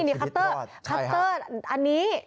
นี่คัตเตอร์คัตเตอร์อันนี้